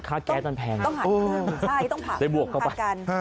ค่าแก๊สมันแพงต้องหาขึ้นใช่ต้องหาขึ้นได้บวกเข้ากัน